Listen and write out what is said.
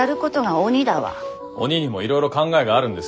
鬼にもいろいろ考えがあるんですよ。